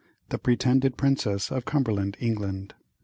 THE PRETENDED PRINCESS OE CUMBERLAND, ENGLAND.